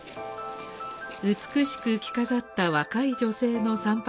美しく着飾った若い女性の参拝